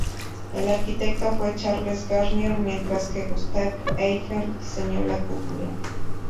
El arquitecto fue Charles Garnier mientras que Gustave Eiffel diseñó la cúpula.